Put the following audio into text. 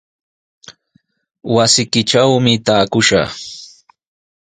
Wasiykitrawmi taakushaq.